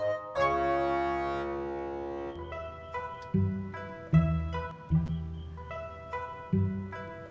ya itu yeah ya itu iya